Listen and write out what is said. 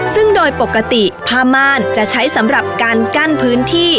ซึ่งโดยปกติผ้าม่านจะใช้สำหรับการกั้นพื้นที่